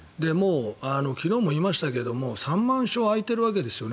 昨日も言いましたけど３万床空いてるわけですよね